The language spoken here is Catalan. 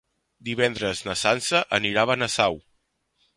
Divendres na Sança anirà a Benasau.